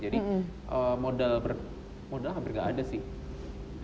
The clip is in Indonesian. jadi modal hampir gak ada sih